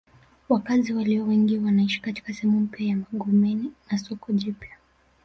Wakazi walio wengi wanaishi katika sehemu mpya ya Magomeni na soko jipya